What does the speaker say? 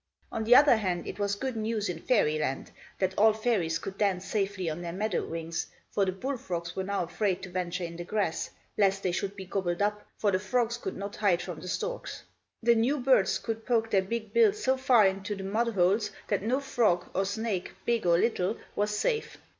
On the other hand, it was good news, in fairy land, that all fairies could dance safely on their meadow rings, for the bullfrogs were now afraid to venture in the grass, lest they should be gobbled up, for the frogs could not hide from the storks. The new birds could poke their big bills so far into the mud holes, that no frog, or snake, big or little, was safe.